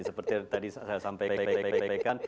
seperti tadi saya sampaikan